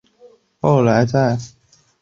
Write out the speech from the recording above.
后来在香港政府多方斡旋之下才被获释。